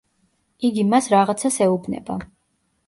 იგი მას რაღაცას ეუბნება.